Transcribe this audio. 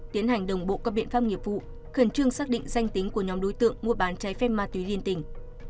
tiến hành đồng bộ các biện pháp nghiệp vụ khẩn trương xác định danh tính của nhóm đối tượng mua bán trái phép ma túy liên tỉnh